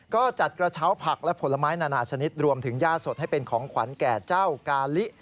ก็จัดกระเช้าผักและผลไม้นานาชนิดรวมถึงย่าสดให้เป็นของขวัญแก่เจ้ากาลิ